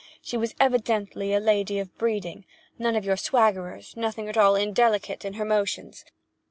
She was evidently a lady of breeding. None of your swaggerers, and nothing at all indelicate in her motions.